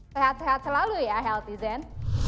sehat sehat selalu ya healthy zen